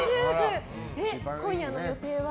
今夜の予定は？